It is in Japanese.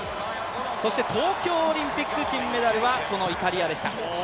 そして東京オリンピック金メダルは、このイタリアでした。